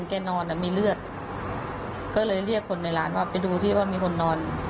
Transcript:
ก็เลยเรียกคนในร้านมาไปดูที่ว่ามีคนนอน